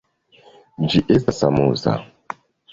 Ĝi estas amuza.